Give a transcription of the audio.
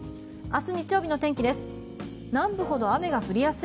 明日日曜日の天気です。